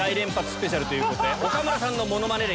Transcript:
スペシャルということで。